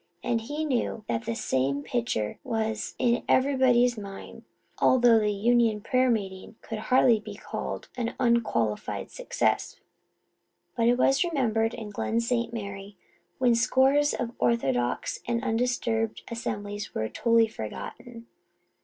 And he knew that the same picture was in everybody's mind. Altogether the union prayer meeting could hardly be called an unqualified success. But it was remembered in Glen St. Mary when scores of orthodox and undisturbed assemblies were totally forgotten.